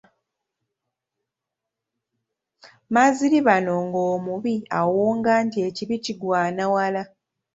Maziribano ng'omubi awonga nti ekibi kigwana wala.